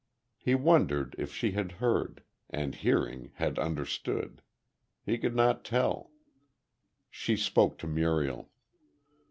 He wondered if she had heard, and hearing, had understood.... He could not tell.... She spoke to Muriel.